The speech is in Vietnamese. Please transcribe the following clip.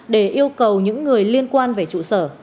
để yêu cầu những người liên quan về trụ sở